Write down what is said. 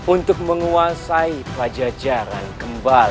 untuk menguasai pajajaran kembali